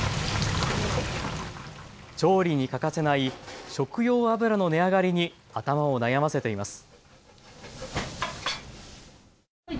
調理に欠かせない食用油の値上がりに頭を悩ませています。